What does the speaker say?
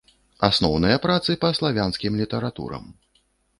Асноўныя працы па славянскім літаратурам.